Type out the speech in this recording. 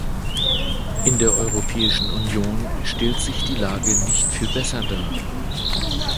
In der Europäischen Union stellt sich die Lage nicht viel besser dar.